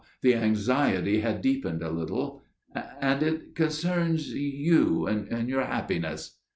the anxiety had deepened a little. 'And––and it concerns you and your happiness.